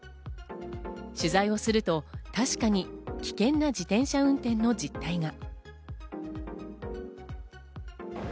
取材をすると、確かに危険な自転車運転の実態が。